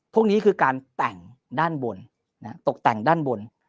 พวกนี้คือการแต่งด้านบนตกแต่งด้านบน